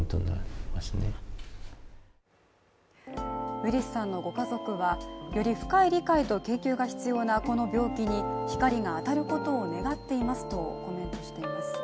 ウィリスさんのご家族は、より深い理解と研究が必要なこの病気に光が当たることを願っていますとコメントしています。